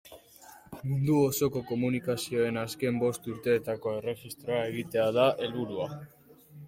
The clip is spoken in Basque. Mundu osoko komunikazioen azken bost urteetako erregistroa egitea da helburua.